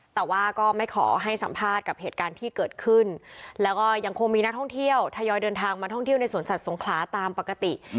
แต่ว่าก็ไม่ขอให้สัมภาษณ์กับเหตุการณ์ที่เกิดขึ้นแล้วก็ยังคงมีนักท่องเที่ยวทยอยเดินทางมาท่องเที่ยวในสวนสัตว์สงขลาตามปกติ